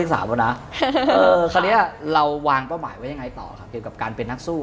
คราวนี้เราวางเป้าหมายไว้ยังไงต่อครับเกี่ยวกับการเป็นนักสู้